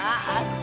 はい。